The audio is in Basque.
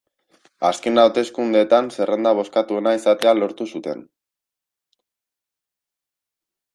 Azken hauteskundeetan zerrenda bozkatuena izatea lortu zuten.